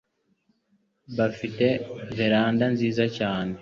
Bafite veranda nziza cyane